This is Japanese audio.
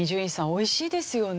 美味しいですよね。